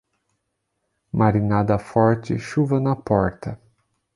Marinada forte, chuva na porta.